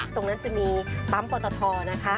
ตรงนั้นจะมีปั๊มปอตทนะคะ